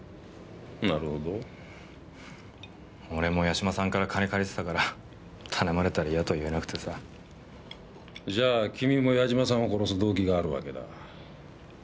なるほど俺も矢島さんから金借りてたから頼まれたら嫌とは言えなくてさじゃあ君も矢島さんを殺す動機があるわけだ